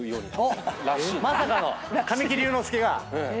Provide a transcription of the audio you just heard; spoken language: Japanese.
まさかの神木隆之介が。